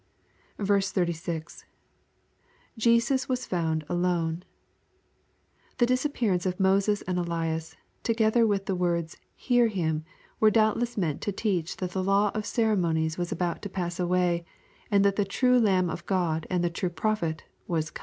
36. — [JesTis woe fowrul alone.] The disappearance of Moses and Elias, together with the words, "Hear him," were doubtless meant to teach that the law of ceremonies wad about to paaa away, and that the true Lamb of Qod and true prophet was come.